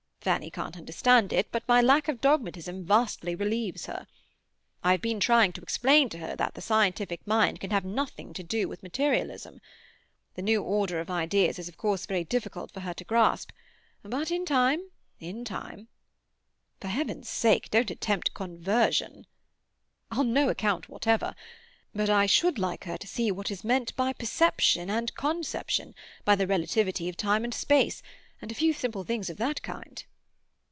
Fanny can't understand it, but my lack of dogmatism vastly relieves her. I have been trying to explain to her that the scientific mind can have nothing to do with materialism. The new order of ideas is of course very difficult for her to grasp; but in time, in time." "For heaven's sake, don't attempt conversion!" "On no account whatever. But I should like her to see what is meant by perception and conception, by the relativity of time and space—and a few simple things of that kind!"